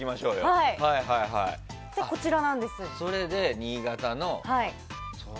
そして、こちらなんです。